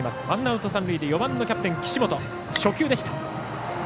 ワンアウト、三塁で４番のキャプテン岸本、初球でした。